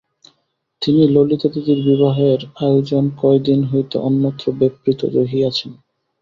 তিনি ললিতাদিদির বিবাহের আয়োজনে কয় দিন হইতে অন্যত্র ব্যাপৃত রহিয়াছেন।